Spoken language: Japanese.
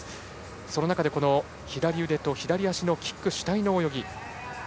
その中で、左腕と左足のキック主体の泳ぎ。